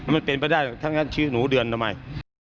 มันเป็นไปได้ถ้างั้นชื่อหนูเดือนทำไม